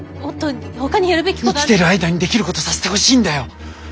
生きてる間にできることさせてほしいんだよ。